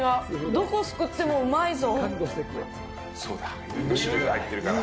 どこすくってもうまいぞ。